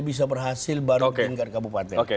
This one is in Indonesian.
bisa berhasil baru di tingkat kabupaten